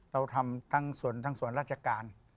เราทำทั้งส่วนทั้งส่วนราชการ